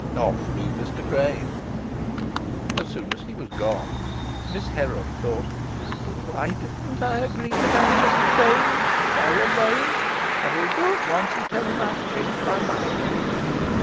Off flew Mr. Crane. As soon as he was gone Miss Heron thought, "Why didn't I agree to marry Mr. Crane? It's dull alone. I will go at once and tell him I have changed my mind."